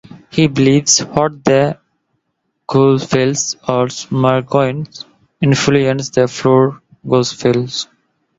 He believes that the Gospel of Marcion influenced the four gospels.